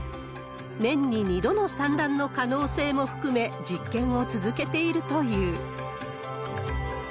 年に２度の産卵の可能性も含め、実験を続けているという。